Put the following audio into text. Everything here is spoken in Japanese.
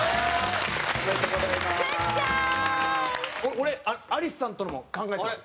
俺、アリスさんとのも考えたんです。